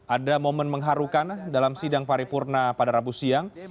ada momen mengharukan dalam sidang paripurna pada rabu siang